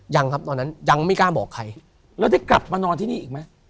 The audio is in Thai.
ยังครับตอนนั้นยังไม่กล้าบอกใครแล้วได้กลับมานอนที่นี่อีกไหม